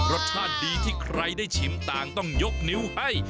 รสชาติดีที่ใครได้ชิมต่างต้องยกนิ้วให้